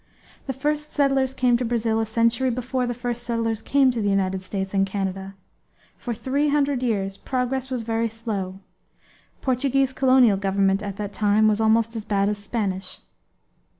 The first settlers came to Brazil a century before the first settlers came to the United States and Canada. For three hundred years progress was very slow Portuguese colonial government at that time was almost as bad as Spanish.